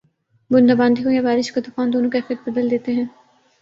بوندا باندی ہو یا بارش کا طوفان، دونوں کیفیت بدل دیتے ہیں